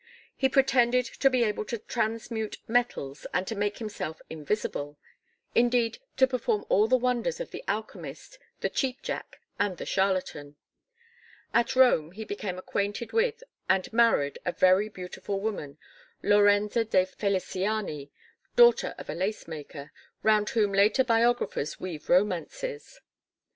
He pretended to be able to transmute metals and to make himself invisible; indeed to perform all the wonders of the alchemist, the "cheap jack," and the charlatan. At Rome he became acquainted with and married a very beautiful woman, Lorenza de Feliciani, daughter of a lacemaker, round whom later biographers weave romances.